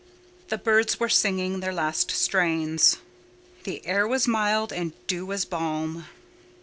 The birds were singing their last strains— "The air was mild, the dew was balm."